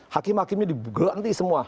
hakim hakimnya dibugel nanti semua